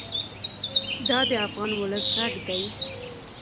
دا د افغان ولس غږ دی.